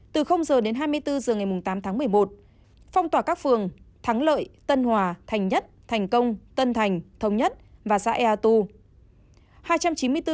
từ h đến hai mươi bốn h ngày tám tháng một mươi một phong tỏa các phường thắng lợi tân hòa thành nhất thành công tân thành thống nhất và xã ea tu